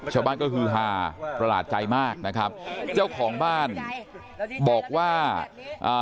ชาวบ้านก็คือฮาประหลาดใจมากนะครับเจ้าของบ้านบอกว่าอ่า